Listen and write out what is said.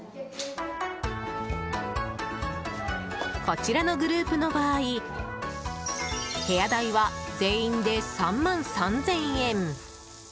こちらのグループの場合部屋代は全員で３万３０００円。